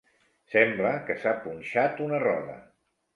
Sembla que s'ha punxat una roda.